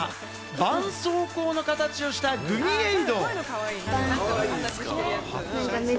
ばんそうこうの形をしたグミエイド。